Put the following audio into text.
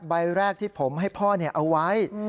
ใบแรกที่ผมให้พ่อเอาไว้